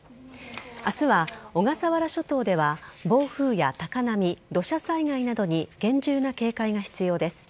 明日は小笠原諸島では暴風や高波土砂災害などに厳重な警戒が必要です。